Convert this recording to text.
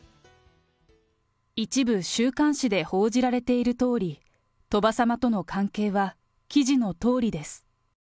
一部週刊誌で報じられているとおり、鳥羽様との関係は記事のとおりです。